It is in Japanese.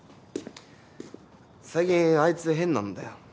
最近あいつ変なんだよ。